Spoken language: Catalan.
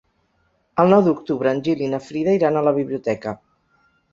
El nou d'octubre en Gil i na Frida iran a la biblioteca.